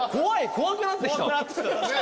怖くなってきた。